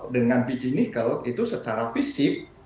dengan biji nikel itu secara fisik